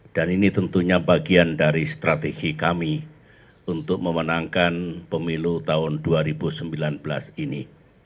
dan ini tentunya bagian dari strategi kami untuk memenangkan pemilu tahun dua ribu sembilan belas ini